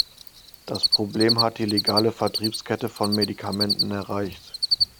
Das Problem hat die legale Vertriebskette von Medikamenten erreicht.